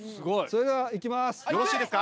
それでは行きます。